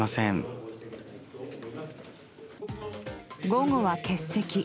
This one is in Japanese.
午後は欠席。